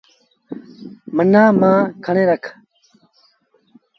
منآن ميٚڻن کڻي رک۔